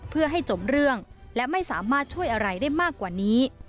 เพื่อให้จบเรื่องและไม่สามารถช่วยอะไรได้มากกว่านี้